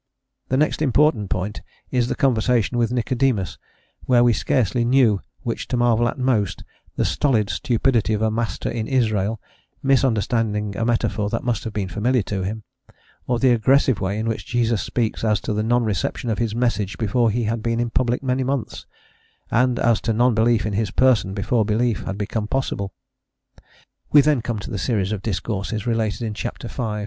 ] The next important point is the conversation with Nicodemus, where we scarcely knew which to marvel at most, the stolid stupidity of a "Master in Israel" misunderstanding a metaphor that must have been familiar to him, or the aggressive way in which Jesus speaks as to the non reception of his message before he had been in public many months, and as to non belief in his person before belief had become possible. We then come to the series of discourses related in ch. v.